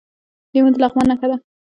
لیمو د لغمان نښه ده.